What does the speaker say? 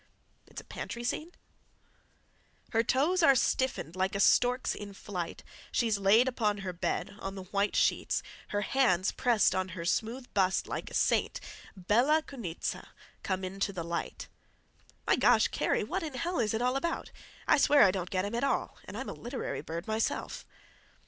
"It's a pantry scene." "'Her toes are stiffened like a stork's in flight; She's laid upon her bed, on the white sheets, Her hands pressed on her smooth bust like a saint, Bella Cunizza, come into the light!' "My gosh, Kerry, what in hell is it all about? I swear I don't get him at all, and I'm a literary bird myself."